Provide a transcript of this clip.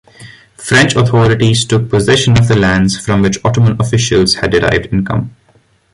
French authorities took possession of the lands, from which Ottoman officials had derived income.